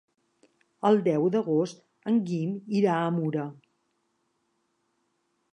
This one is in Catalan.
El deu d'agost en Guim irà a Mura.